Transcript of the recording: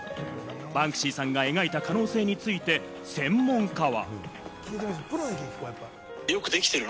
バンクシーさんが描いた可能性について専門家は。